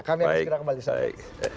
kami akan segera kembali